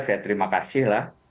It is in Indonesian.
saya terima kasih